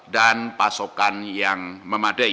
dan pasokan yang memadai